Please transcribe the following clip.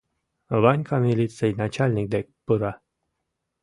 Ванька милиций начальник дек пура.